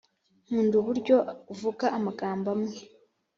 nkunda uburyo uvuga amagambo amwe